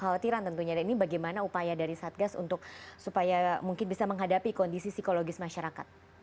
kekhawatiran tentunya dan ini bagaimana upaya dari satgas untuk supaya mungkin bisa menghadapi kondisi psikologis masyarakat